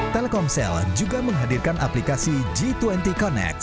telkomsel juga menghadirkan aplikasi g dua puluh connect